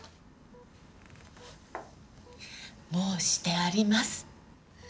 もうしてあります。